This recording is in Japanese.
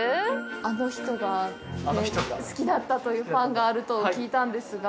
あの人が好きだったというパンがあると聞いたんですが。